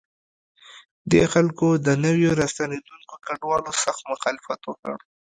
دې خلکو د نویو راستنېدونکو کډوالو سخت مخالفت وکړ.